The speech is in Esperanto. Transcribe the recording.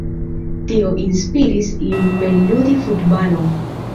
Tio inspiris lin mem ludi futbalon.